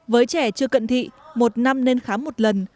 với trẻ chưa cận thị một năm nên khám một lần